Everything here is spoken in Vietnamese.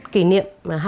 kỷ niệm hai trăm năm mươi